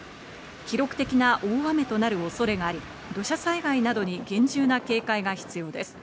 記録的な大雨となる恐れがあり、土砂災害などに厳重な警戒が必要です。